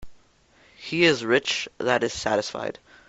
He is rich that is satisfied.